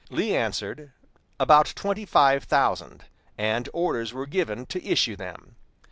Lee answered, "About twenty five thousand"; and orders were given to issue them.